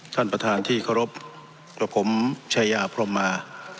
ท่านประธานที่เคารพกับผมชายาพรมมา